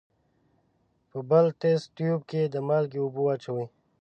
په بل تست تیوب کې د مالګې اوبه واچوئ.